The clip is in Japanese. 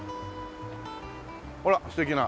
ほら素敵な。